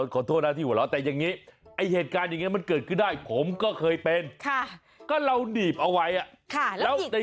หาเจอรึยังไอ้กวาดอ่ะ